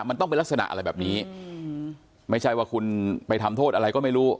มันต้องเป็นลักษณะอะไรแบบนี้ไม่ใช่ว่าคุณไปทำโทษอะไรก็ไม่รู้